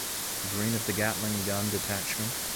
Green of the Gatling Gun Detachment.